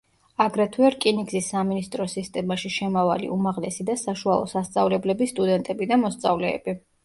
აგრეთვე, რკინიგზის სამინისტროს სისტემაში შემავალი უმაღლესი და საშუალო სასწავლებლების სტუდენტები და მოსწავლეები.